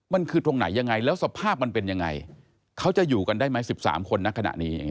มันคือตรงไหนยังไงแล้วสภาพมันเป็นยังไงเขาจะอยู่กันได้ไหม๑๓คนในขณะนี้